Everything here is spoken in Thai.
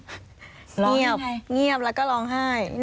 ร้องไห้ไงเงียบแล้วก็ร้องไห้